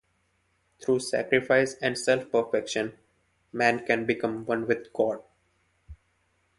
Through sacrifice and self perfection, man can become one with God.